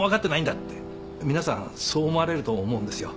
皆さんそう思われると思うんですよ。